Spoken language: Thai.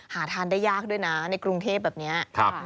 หาทานได้ยากด้วยนะในกรุงเทพแบบนี้